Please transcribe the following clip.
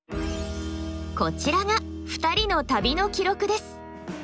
こちらが２人の旅の記録です。